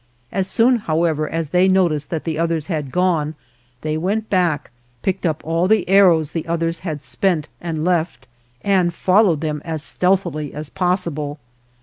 As soon, however, as they noticed that the others had gone they went back, picked up all the arrows the others had spent and left and followed them as stealthily as possible.